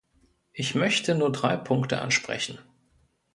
Ich möchte nur drei Punkte ansprechen.